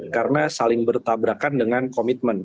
karena saling bertabrakan dengan komitmen